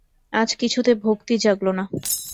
আজ কিছুতে ভক্তি জাগল না।